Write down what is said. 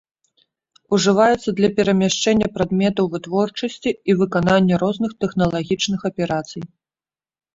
Ужываецца для перамяшчэння прадметаў вытворчасці і выканання розных тэхналагічных аперацый.